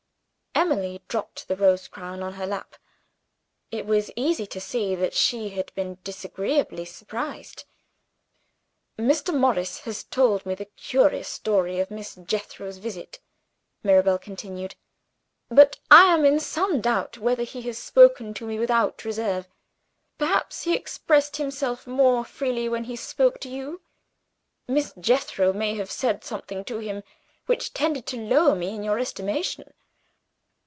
Emily dropped the rose crown on her lap. It was easy to see that she had been disagreeably surprised. "Mr. Morris has told me the curious story of Miss Jethro's visit," Mirabel continued; "but I am in some doubt whether he has spoken to me without reserve. Perhaps he expressed himself more freely when he spoke to you. Miss Jethro may have said something to him which tended to lower me in your estimation?"